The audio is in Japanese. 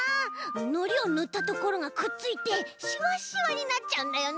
のりをぬったところがくっついてしわしわになっちゃうんだよね。